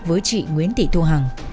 với chị nguyễn thị thu hằng